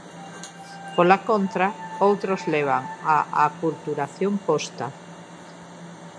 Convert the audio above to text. Pola contra outros levan a aculturación posta.